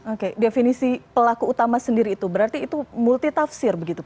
oke definisi pelaku utama sendiri itu berarti itu multi tafsir begitu pak